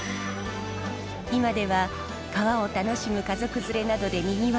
今では川を楽しむ家族連れなどでにぎわう